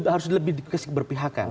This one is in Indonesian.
harus lebih diberpihakan